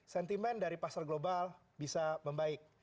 sentimen dari pasar global bisa membaik